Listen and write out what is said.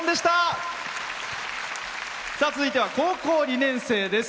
続いては高校２年生です。